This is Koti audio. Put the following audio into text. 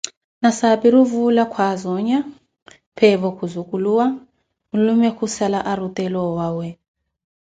Nasaapiru vuula kwaaza onya, peevo khuzuculuwa, nlume kusaala arutela owawe.